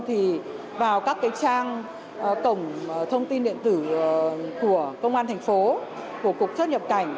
thì vào các trang cổng thông tin điện tử của công an thành phố của cục xuất nhập cảnh